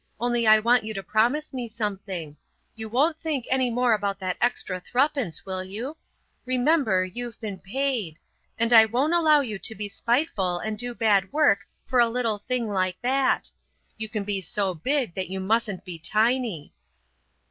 Only I want you to promise me something. You won't think any more about that extra threepence, will you? Remember, you've been paid; and I won't allow you to be spiteful and do bad work for a little thing like that. You can be so big that you mustn't be tiny."